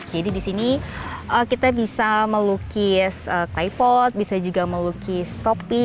jadi di sini kita bisa melukis klypod bisa juga melukis topi